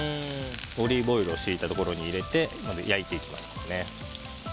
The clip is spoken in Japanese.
オリーブオイルをしいたところに入れて焼いていきます。